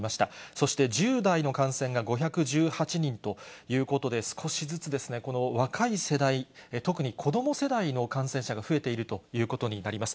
そして１０代の感染が５１８人ということで、少しずつですね、この若い世代、特に子ども世代の感染者が増えているということになります。